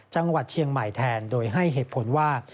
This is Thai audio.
จังหวัดเชียงใหม่แทนโดยให้เหตุผลว่า